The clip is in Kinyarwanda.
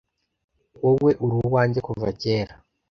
wowe uri uwanjye kuva kera